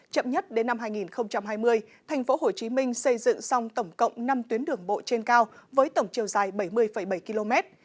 chậm nhất đến năm hai nghìn hai mươi tp hcm xây dựng xong tổng cộng năm tuyến đường bộ trên cao với tổng chiều dài bảy mươi bảy km